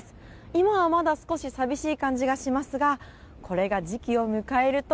今はまだ少し寂しい感じがしますがこれが時期を迎えると。